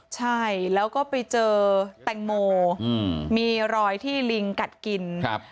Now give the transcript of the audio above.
ใช่แล้วก็ไปเจอแตงโมอืมมีรอยที่ลิงกัดกินครับ